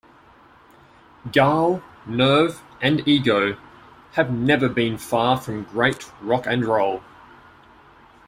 Gall, nerve and ego have never been far from great rock and roll.